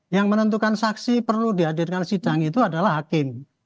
yang menentukan saksi perlu dihadirkan sidang itu adalah hakim